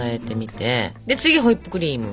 で次ホイップクリーム。